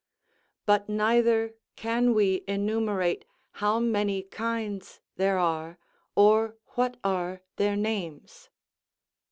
["But neither can we enumerate how many kinds there what are their names."